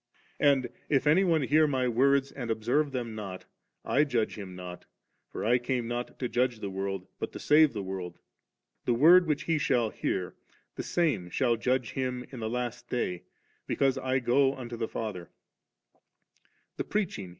And, if any one hear My words and observe them not, I judge him not ; for I came not to judge the world, but to save the world The word which he shall hear, the same shall judge him in the last day, because I go unto the Father »•' The preaching.